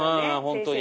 本当に。